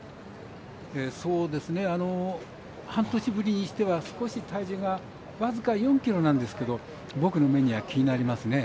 半年ぶりにしては少し体重が僅か４ｋｇなんですけど僕の目には気になりますね。